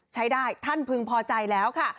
ใช้ได้ท่านพึงพอใจแล้วค่ะ